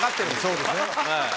そうですね。